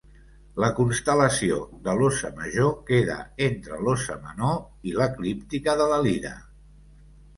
La constel·lació de l'Óssa Major queda entre l'Óssa Menor i l'eclíptica de la Lira.